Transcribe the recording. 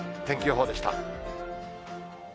天気予報でした。